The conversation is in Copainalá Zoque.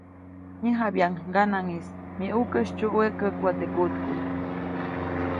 Nyäjabyaʼuŋ ŋganaʼŋ -¡mi ʼukä sytsyuwe, käkuʼa teʼ kuʼtkuʼy!‒